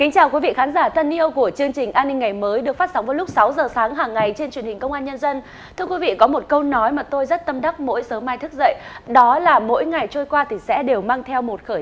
các bạn hãy đăng ký kênh để ủng hộ kênh của chúng mình nhé